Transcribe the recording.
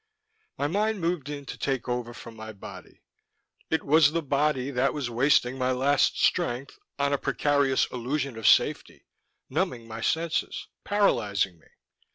My mind moved in to take over from my body. It was the body that was wasting my last strength on a precarious illusion of safety, numbing my senses, paralyzing me.